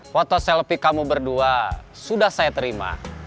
foto selfie kamu berdua sudah saya terima